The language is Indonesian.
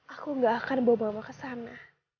aku tidak akan bawa mama ke sana